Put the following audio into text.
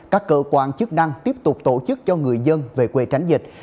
các cơ quan chức năng tiếp tục tổ chức cho người dân về quê tránh dịch